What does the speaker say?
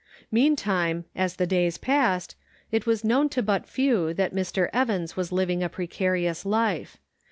Meantime, as the days passed, it was known to but few that Mr. Evans was living a precarious life.